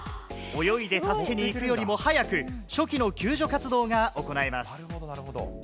泳いで助けに行くよりも早く、初期の救助活動が行えます。